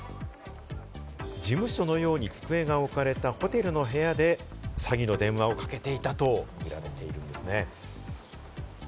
事務所のように机が置かれたホテルの部屋で、詐欺の電話をかけていたとみられているんですね。